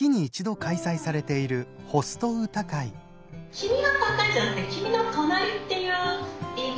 君が高いんじゃなくて「君の隣」っていう言い方。